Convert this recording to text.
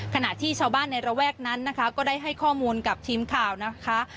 ขณะที่ชาวบ้านในระแวกนั้นนะคะก็ได้ให้ข้อมูลกับทีมข่าวนะคะ